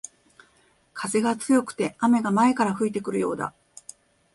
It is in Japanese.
風が強くて雨が前から吹いてくるようだ